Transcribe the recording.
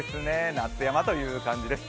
夏山という感じです。